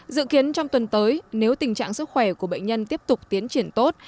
dự kiến trong tuần tới nếu tình trạng sức khỏe của bệnh nhân tiếp tục tiến triển tốt